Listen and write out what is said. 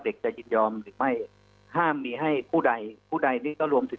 เด็กจะยินยอมหรือไม่ห้ามมีให้ผู้ใดผู้ใดนี่ก็รวมถึง